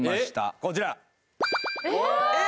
こちらえ